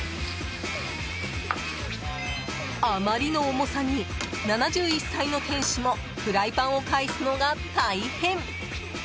あまりの重さに、７１歳の店主もフライパンを返すのが大変。